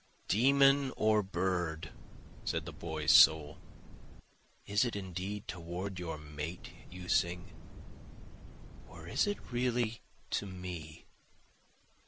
Demon or bird! (said the boy's soul,) Is it indeed toward your mate you sing? or is it really to me?